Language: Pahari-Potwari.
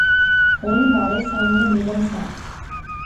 ہن مہاڑے ساونے نیلم سا